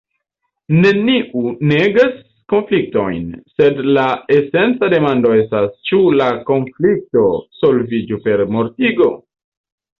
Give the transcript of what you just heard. Neniu negas konfliktojn, sed la esenca demando estas, ĉu la konflikto solviĝu per mortigo?